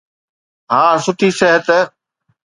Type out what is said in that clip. ها، سٺي صحت.